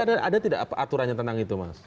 tapi ada tidak aturan yang tenang itu mas